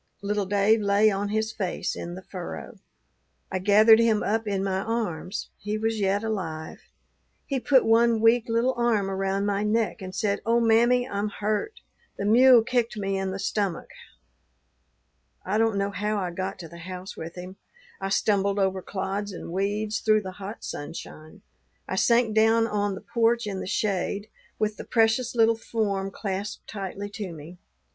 Little Dave lay on his face in the furrow. I gathered him up in my arms; he was yet alive; he put one weak little arm around my neck, and said, 'Oh, mammy, I'm hurt. The mule kicked me in the stomach.' "I don't know how I got to the house with him; I stumbled over clods and weeds, through the hot sunshine. I sank down on the porch in the shade, with the precious little form clasped tightly to me.